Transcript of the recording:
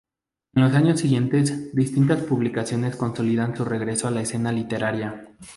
En los años siguientes, distintas publicaciones consolidan su regreso a la escena literaria.